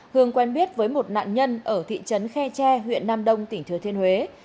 hương quen biết với một nạn nhân ở thị trấn khe tre huyện nam đông tỉnh thừa thiên huế